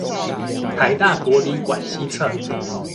臺大博理館西側